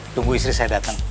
tunggu istri saya datang